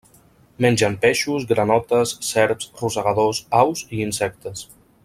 Mengen peixos, granotes, serps, rosegadors, aus i insectes.